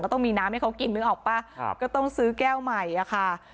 ต้องมีน้ำให้เขากินนึกออกป่ะครับก็ต้องซื้อแก้วใหม่อะค่ะ